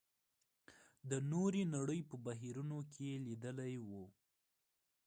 د نورې نړۍ په بهیرونو کې یې لېدلي وو.